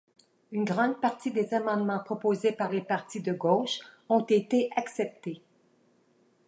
Une grande partie des amendements proposés par les partis de gauche ont été acceptés.